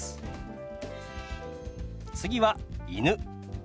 次は「犬」。